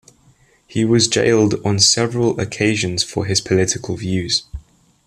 He was jailed on several occasions for his political views.